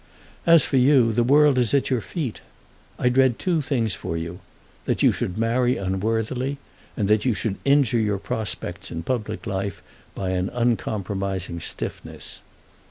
As for you, the world is at your feet. I dread two things for you, that you should marry unworthily, and that you should injure your prospects in public life by an uncompromising stiffness.